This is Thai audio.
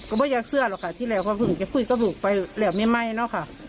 ก็ไม่อยากเชื่อหรอกค่ะที่แล้วก็เพิ่งจะปุ้ยก็บุกไปแล้วไม่ไหม้เนอะค่ะ